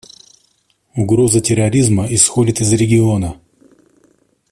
Угроза терроризма исходит из региона.